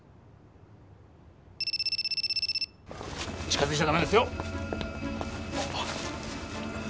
近づいちゃダメですよ。